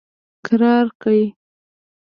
کرار کړ.